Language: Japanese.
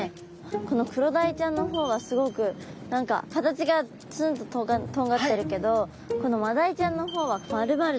このクロダイちゃんの方はすごく何か形がつんととんがってるけどこのマダイちゃんの方はまるまるとしてる感じ。